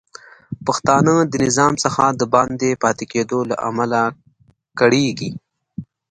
پښتانه د نظام څخه د باندې پاتې کیدو له امله کړیږي